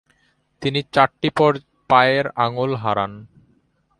তিনি চারটি পায়ের আঙ্গুল হারান।